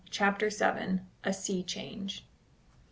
CHAPTER VII. "A SEA CHANGE."